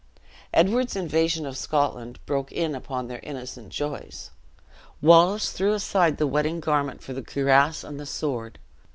Edward's invasion of Scotland broke in upon their innocent joys. Wallace threw aside the wedding garment for the cuirass and the sword.